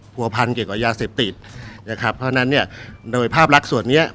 ผัวพันเกี่ยวกับยาเสพติดนะครับเพราะฉะนั้นเนี่ยโดยภาพลักษณ์ส่วนเนี้ย